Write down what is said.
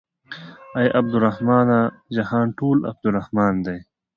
اې عبدالرحمنه جهان ټول عبدالرحمن دى.